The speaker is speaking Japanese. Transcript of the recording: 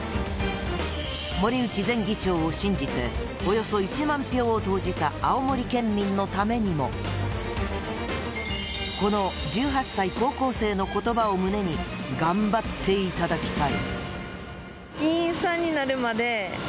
森内前議長を信じておよそ１万票を投じた青森県民のためにもこの１８歳高校生の言葉を胸に頑張っていただきたい。